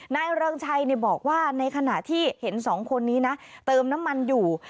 เริงชัยบอกว่าในขณะที่เห็นสองคนนี้นะเติมน้ำมันอยู่